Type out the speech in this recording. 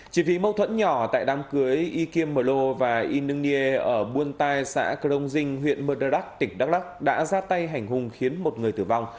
chỉ phí mâu thuẫn nhỏ tại đám cưới y kim mờ lô và y nương nghê ở buôn tai xã crong dinh huyện mơ đa đắc tỉnh đắk lắc đã ra tay hành hùng khiến một người tử vong